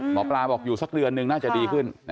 หมอปลาบอกอยู่สักเดือนนึงน่าจะดีขึ้น